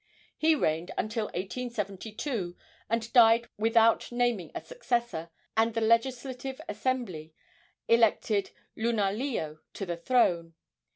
He reigned until 1872, and died without naming a successor, and the Legislative Assembly elected Lunalilo to the throne.